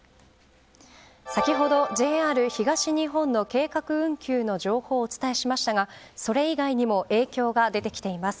先ほど、ＪＲ東日本の計画運休の情報をお伝えしましたがそれ以外にも影響が出てきています。